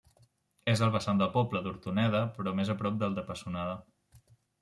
És al vessant del poble d'Hortoneda, però més a prop del de Pessonada.